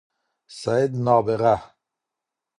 سید نابغه